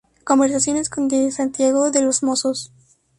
Conversaciones con D. Santiago de los Mozos"